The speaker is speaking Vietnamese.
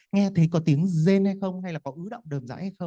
nghe thấy có tiếng rên hay không hay là có ứ động đờm rãi hay không